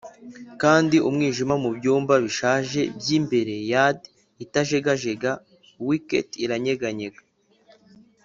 kandi umwijima mubyumba bishaje byimbere-yard itajegajega-wiketi iranyeganyega